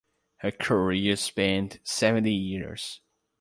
Her career spanned seventy years.